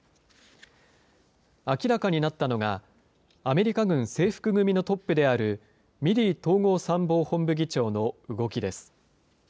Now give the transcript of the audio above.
明らかになったのが、アメリカ軍制服組のトップであるミリー統合参謀本部議長の動きです。